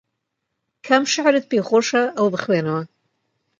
کام شیعرت پێ خۆشە ئەوە بخوێنەوە